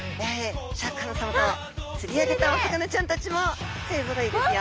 シャーク香音さまと釣り上げたお魚ちゃんたちも勢ぞろいですよ。